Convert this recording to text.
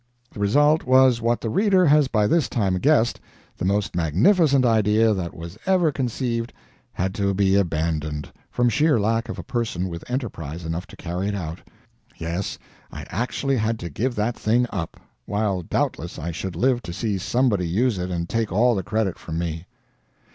The result was what the reader has by this time guessed: the most magnificent idea that was ever conceived had to be abandoned, from sheer lack of a person with enterprise enough to carry it out. Yes, I actually had to give that thing up while doubtless I should live to see somebody use it and take all the credit from me.